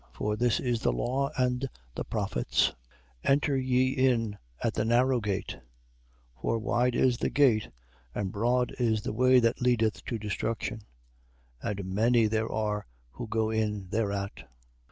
For this is the law and the prophets. 7:13. Enter ye in at the narrow gate: for wide is the gate, and broad is the way that leadeth to destruction, and many there are who go in thereat.